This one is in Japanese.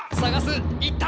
いった！